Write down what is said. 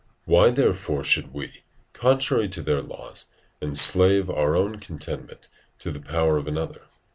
Why therefore should we, contrary to their laws, enslave our own contentment to the power of another?